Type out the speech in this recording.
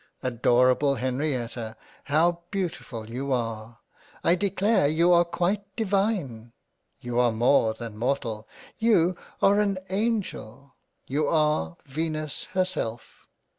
Adorable Henrietta how beautiful you are ! I declare you are quite divine ! You are more than Mortal. You are an Angel. You are Venus herself.